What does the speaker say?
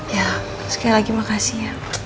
ya sekali lagi makasih ya